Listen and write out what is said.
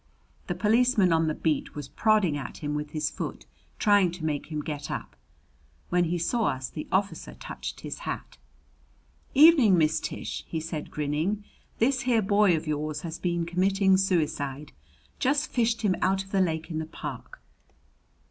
The policeman on the beat was prodding at him with his foot, trying to make him get up. When he saw us the officer touched his hat. "Evening, Miss Tish," he said, grinning. "This here boy of yours has been committing suicide. Just fished him out of the lake in the park!"